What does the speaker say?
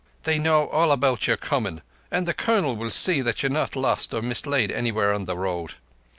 They know all about your comin', an' the Colonel will see that ye're not lost or mislaid anywhere on the road.